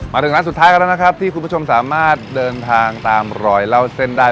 มาถึงร้านสุดท้ายกันแล้วนะครับที่คุณผู้ชมสามารถเดินทางตามรอยเล่าเส้นได้